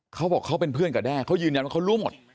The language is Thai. เขาบอกเขาเป็นเพื่อนกับแด้เขายืนยันว่าเขารู้หมด